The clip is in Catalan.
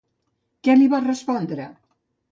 Què li va respondre?